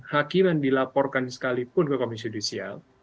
hakim yang dilaporkan sekalipun ke komisi judisial